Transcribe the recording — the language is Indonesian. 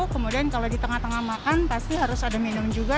kemudian kalau di tengah tengah makan pasti harus ada minum juga